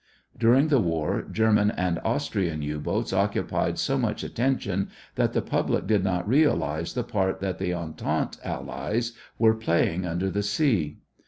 During the war German and Austrian U boats occupied so much attention that the public did not realize the part that the Entente Allies were playing under the sea.